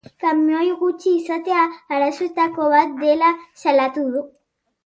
Kamioi gutxi izatea arazoetako bat dela salatu du.